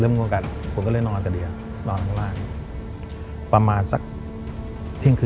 เริ่มเงาะกันผมก็นอนกับเดียนอนข้างล่าง